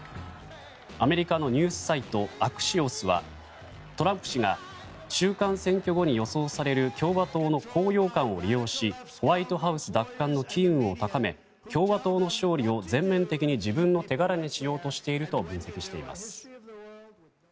アメリカのニュースサイトアクシオスはトランプ氏が中間選挙後に予想される共和党の高揚感を利用しホワイトハウス奪還の機運を高め共和党の勝利を全面的に自分の手柄にしようとしていると分析しています。